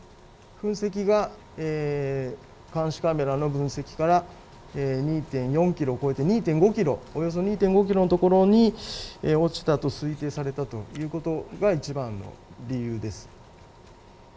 噴石が監視カメラの分析から２．４キロを超えておよそ２．５キロの所に落ちたと推定されたということがいちばんの理由です。